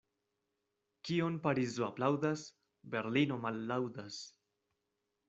Kion Parizo aplaŭdas, Berlino mallaŭdas.